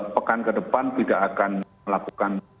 pekan kedepan tidak akan melakukan